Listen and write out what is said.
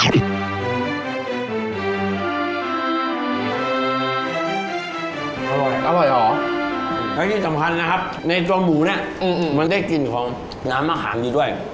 อร่อยเหรอแล้วที่สำคัญนะครับในตัวหมูเนี่ยมันได้กลิ่นของน้ำมะขามนี้ด้วย